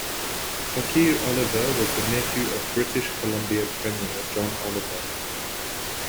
Farquhar Oliver was the nephew of British Columbia Premier John Oliver.